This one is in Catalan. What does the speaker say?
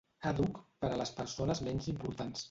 Àdhuc per a les persones menys importants.